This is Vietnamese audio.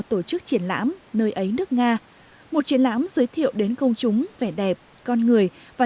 tổ chức triển lãm nơi ấy nước nga một triển lãm giới thiệu đến công chúng vẻ đẹp con người và